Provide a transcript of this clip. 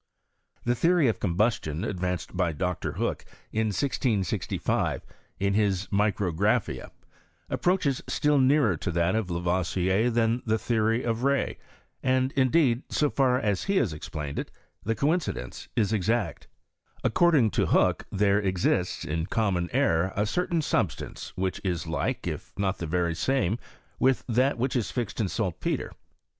The theory of combustion advanced by Dr. Hook, in 1665, in his Micrographia, approaches still nearer to that of Lavoisier than the theory of Rey, and PROGRESa OF CUEMiaTRY 1 uideed, so far as he has explained it, the coincidence is exact. According to Hook there exists in com mon air a certain substance which is hke, if not the very same with that which is fixed in saltpetre.